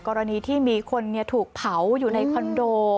กรณีที่มีคนถูกเผาอยู่ในคอนโด